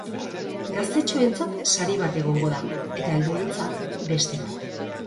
Gaztetxoentzat sari bat egongo da, eta helduentzat beste bat.